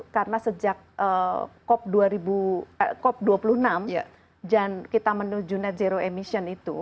karena sejak cop dua puluh enam dan kita menuju net zero emission itu